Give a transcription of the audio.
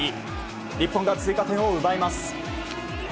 日本が追加点を奪います。